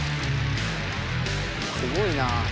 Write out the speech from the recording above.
すごいなあ。